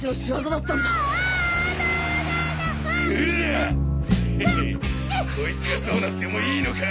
ヘヘこいつがどうなってもいいのか！？